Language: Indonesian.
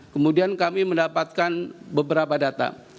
kemudian kami mendapatkan beberapa data